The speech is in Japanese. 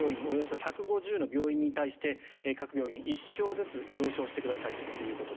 およそ１５０の病院に対して各病院１床ずつ増床してくださいと。